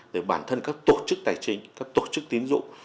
để bản thân các tổ chức tài chính các tổ chức tín dụng